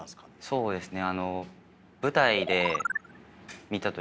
そうですか。